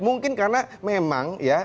mungkin karena memang ya